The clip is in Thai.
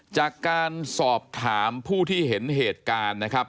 จากการสอบถามผู้ที่เห็นเหตุการณ์นะครับ